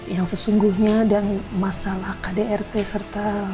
yang sesungguhnya dan masalah kdrt serta